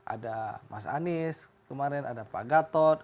ada mas anies kemarin ada pak gatot